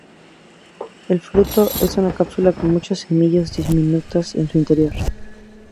El fruto es una cápsula con muchas semillas diminutas en su interior.